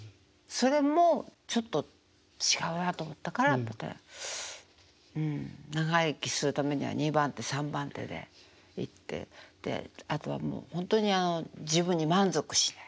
それもちょっと違うなと思ったからうん長生きするためには２番手３番手でいってであとはもうほんとにあの自分に満足しない。